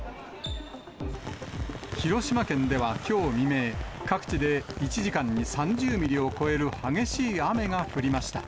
広島県ではきょう未明、各地で１時間に３０ミリを超える激しい雨が降りました。